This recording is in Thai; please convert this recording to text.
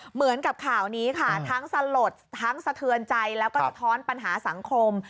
เหมือนกับข่าวนี้ค่ะทั้งสลดทั้งสะเทือนใจแล้วก็สะท้อนปัญหาสังคม